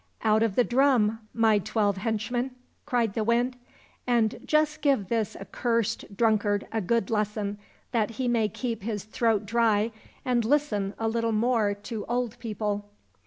Out of the drum, my twelve henchmen !" cried the Wind, " and just give this accursed drunkard a good lesson that he may keep his throat dry and listen a little more to old people